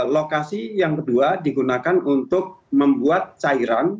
lokasi yang kedua digunakan untuk membuat cairan